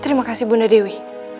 terima kasih bunda dewi